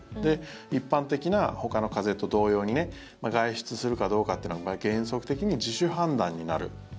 一般的なほかの風邪と同様にね外出するかどうかってのは原則的に自主判断になる。